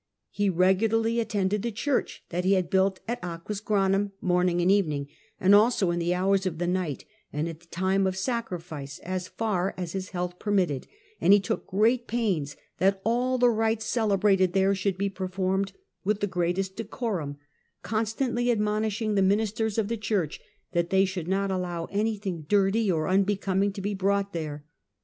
He regularly attended the church that he had built at Aquisgranum morning and evening, and also in the hours of the night and at the time of sacrifice, as far as his health permitted ; and he took great pains that all the rites celebrated there should be performed with the greatest decorum, constantly admonishing the ministers of the church that they should not allow any thing dirty or unbecoming to be brought there.